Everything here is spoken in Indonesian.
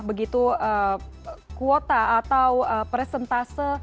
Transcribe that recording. begitu kuota atau presentase